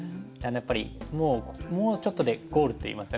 やっぱりもうちょっとでゴールといいますかね